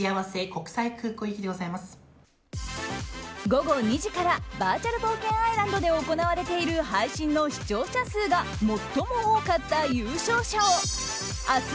午後２時からバーチャル冒険アイランドで行われている配信の視聴者数が最も多かった優勝者を明日